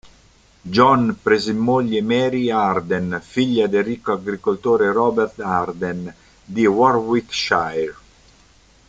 John prese in moglie Mary Arden, figlia del ricco agricoltore Robert Arden di Warwickshire.